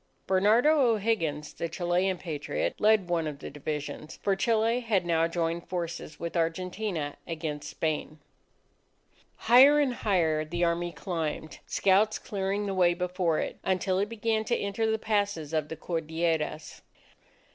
Bernardo O'Higgins, the Chilean Patriot, led one of the divisions; for Chile had now joined forces with Argentina against Spain. Higher and higher the Army climbed, scouts clearing the way before it, until it began to enter the passes of the Cordilleras.